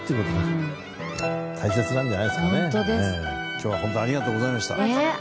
今日はホントありがとうございました。